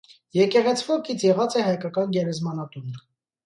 Եկեղեցւոյ կից եղած է հայկական գերեզմանատուն։